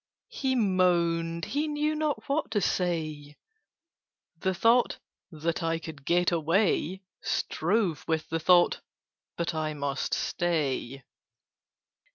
'" He moaned: he knew not what to say. The thought "That I could get away!" Strove with the thought "But I must stay.